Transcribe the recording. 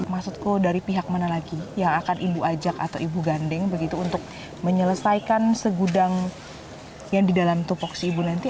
maksudku dari pihak mana lagi yang akan ibu ajak atau ibu gandeng begitu untuk menyelesaikan segudang yang di dalam tupok si ibu nanti